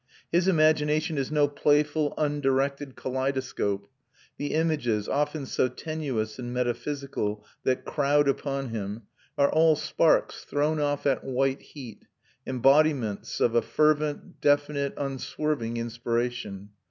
His imagination is no playful undirected kaleidoscope; the images, often so tenuous and metaphysical, that crowd upon him, are all sparks thrown off at white heat, embodiments of a fervent, definite, unswerving inspiration.